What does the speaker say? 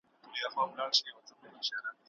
ژوند د میني لار ده؟